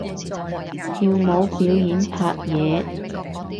跳舞表演拍嘢